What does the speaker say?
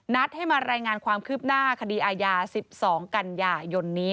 ให้มารายงานความคืบหน้าคดีอาญา๑๒กันยายนนี้